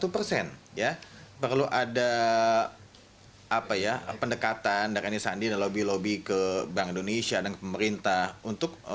perlu ada pendekatan dari anis andi dan lobby lobby ke bank indonesia dan pemerintah untuk